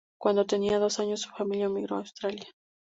Cuando tenía dos años su familia emigró a Australia.